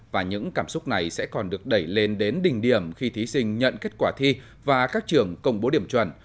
và những cảm xúc này sẽ còn được đẩy lên đến đỉnh điểm khi thí sinh nhận kết quả thi và các trường công bố điểm chuẩn